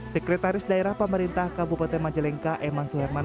sekretaris daerah pemerintah kabupaten majalengka eman suherman